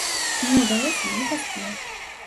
Не ўдалося, не паспеў.